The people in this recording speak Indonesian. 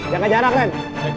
jaga jarak ren